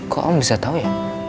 kok om bisa tahu ya